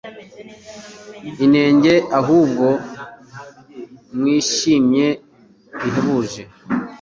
inenge ahubwo mwishimye bihebuje